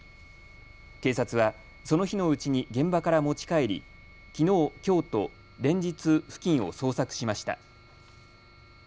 警察はその日のうちに現場から持ち帰り、きのうきょうと連日付近を捜索しました。